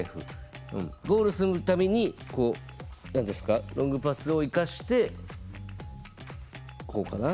ゴールするためにこう何ですかロングパスを生かしてこうかな。